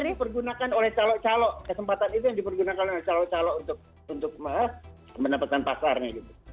itu yang dipergunakan oleh calo calo kesempatan itu yang dipergunakan oleh calo calo untuk mendapatkan pasarnya gitu